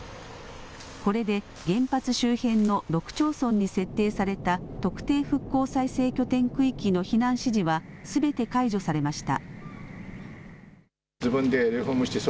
これで原発周辺の６町村に設定された特定復興再生拠点区域の避難指示はすべて解除されました。